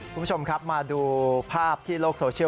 คุณผู้ชมครับมาดูภาพที่โลกโซเชียล